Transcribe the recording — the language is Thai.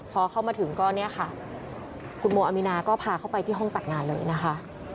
พอเข้ามาถึงก็เนี่ยค่ะคุณโมอามีนาก็พาเข้าไปที่ห้องจัดงานเลยนะคะ